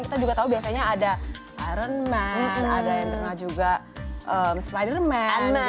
kita juga tahu biasanya ada iron man ada yang pernah juga spiderman gitu